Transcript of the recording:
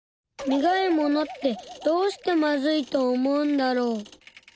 苦いものってどうしてまずいと思うんだろう。